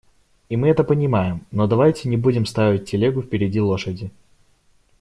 И мы это понимаем, но давайте не будем ставить телегу впереди лошади.